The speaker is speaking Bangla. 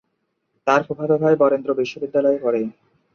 তার ফুফাতো ভাই বরেন্দ্র বিশ্ববিদ্যালয়ে পড়ে।